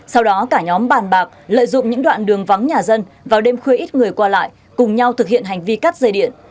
sau đó cả nhóm bàn bạc lợi dụng những đoạn đường vắng nhà dân vào đêm khuya ít người qua lại cùng nhau thực hiện hành vi cắt dây điện